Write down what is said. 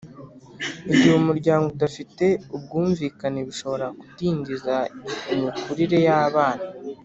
Igihe umuryango udafite ubwumvikane bishobora kudindiza imikurire yabana